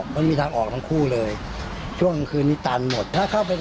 เดี๋ยวคือน๊ายวันประเทศ